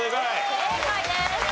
正解です。